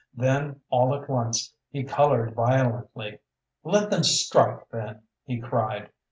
Then all at once he colored violently. "Let them strike, then!" he cried.